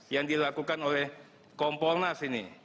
yang dilakukan oleh kumpul nas ini